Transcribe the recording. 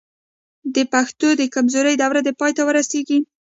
د پښتو د کمزورۍ دور دې پای ته ورسېږي.